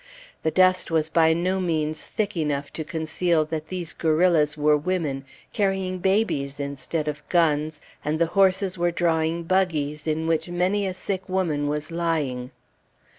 The dust was by no means thick enough to conceal that these "guerrillas" were women, carrying babies instead of guns, and the horses were drawing buggies in which many a sick woman was lying.